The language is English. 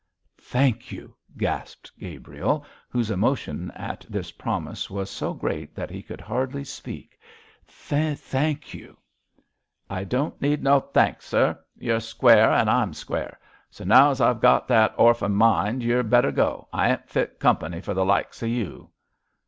'Thank you!' gasped Gabriel, whose emotion at this promise was so great that he could hardly speak, 'thank you!' 'I don' need no thanks, sir; you're square, an' I'm square. So now as I've got that orf m' mind you'd better go. I ain't fit company for the likes of you.'